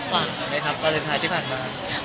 หลังไหนครับวันสุดท้ายที่ผ่านมา